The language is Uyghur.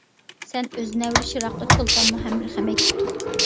سەن ئۆز نەۋرە شىراققا چولپانمۇ ھەم بىر خەمەك.